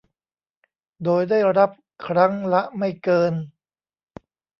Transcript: โดยได้รับครั้งละไม่เกิน